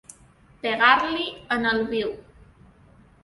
Pegar-li en el viu.